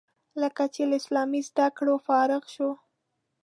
کله چې له اسلامي زده کړو فارغ شو.